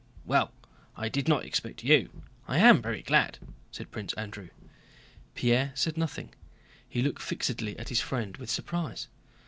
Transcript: "Well, I did not expect you, I am very glad," said Prince Andrew. Pierre said nothing; he looked fixedly at his friend with surprise.